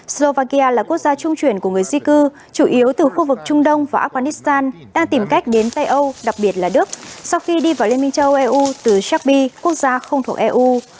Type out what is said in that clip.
slovakia là quốc gia trung chuyển của người di cư chủ yếu từ khu vực trung đông và afghanistan đang tìm cách đến tây âu đặc biệt là đức sau khi đi vào liên minh châu âu eu từ shepi quốc gia không thuộc eu